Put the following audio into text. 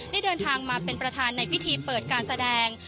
เดินทางมาเป็นประธานในพิธีเปิดการแสดง